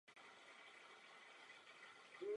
Pro rokokový hlavní oltář jsou určené tři obrazy.